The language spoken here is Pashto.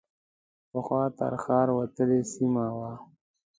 پخوا تر ښار وتلې سیمه وه.